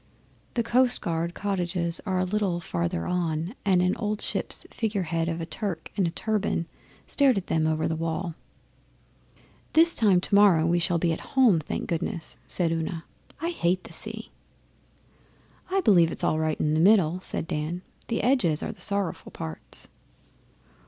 The Coastguard cottages are a little farther on, and an old ship's figurehead of a Turk in a turban stared at them over the wall. 'This time tomorrow we shall be at home, thank goodness,' said Una. 'I hate the sea!' 'I believe it's all right in the middle,' said Dan. 'The edges are the sorrowful parts.